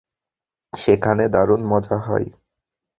সেখানে দারুণ মজা হয়!